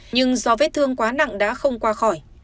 nhưng do vết thương quá nặng đã không qua khỏi